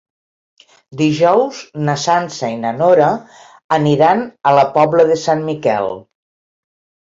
Dijous na Sança i na Nora aniran a la Pobla de Sant Miquel.